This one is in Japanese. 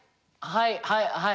はいはいはい！